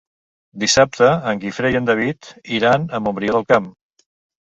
Dissabte en Guifré i en David iran a Montbrió del Camp.